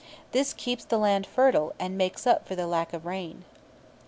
This keeps the land fertile, and makes up for the lack of rain.